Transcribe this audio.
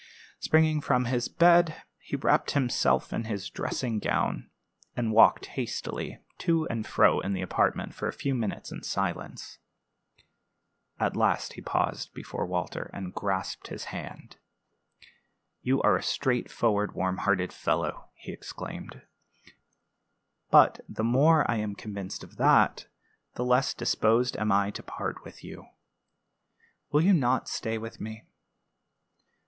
Springing from bed, he wrapped himself in his dressing gown, and walked hastily to and fro in the apartment for a few minutes in silence. At last he paused before Walter and grasped his hand. "You are a straightforward, warm hearted fellow," he exclaimed. "But the more I am convinced of that, the less disposed am I to part with you. Will you not stay with me?"